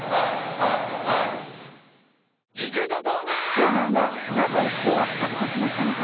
東卍はなぜ凶悪化してしまったのか。